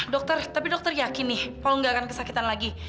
dokter tapi dokter yakin nih kalau nggak akan kesakitan lagi